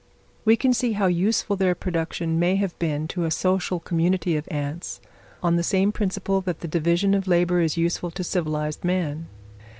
We can see how useful their production may have been to a social community of ants, on the same principle that the division of labour is useful to civilised man.